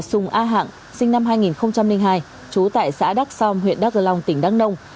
sùng a hạng sinh năm hai nghìn hai trú tại xã đắc sòm huyện đắk gờ long tỉnh đăng đông